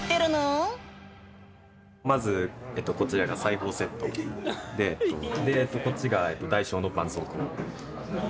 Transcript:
まずこちらが裁縫セットでこっちが大小のばんそうこう。